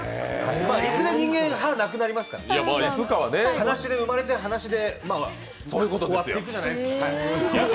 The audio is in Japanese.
いずれ人間、歯がなくなりますから歯なしで生まれて、歯なしで終わっていくじゃないですか。